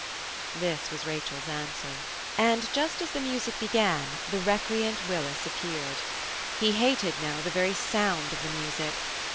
This was Rachel's answer. And just as the music began the recreant Willis appeared. He hated now the very sound of the music.